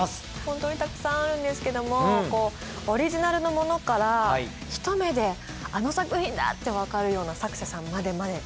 本当にたくさんあるんですけどもオリジナルのものから一目であの作品だって分かるような作者さんまでまで。